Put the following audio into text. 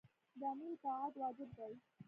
د امیر اطاعت واجب دی.